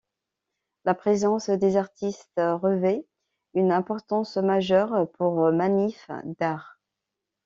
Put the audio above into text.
La présence des artistes revêt une importance majeure pour Manif d’art.